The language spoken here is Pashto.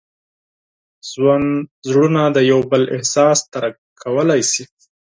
زړونه د یو بل احساس درک کولی شي.